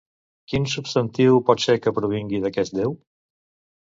Quin substantiu pot ser que provingui d'aquest déu?